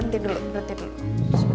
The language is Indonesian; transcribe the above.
tidak ada yang bisa ditutup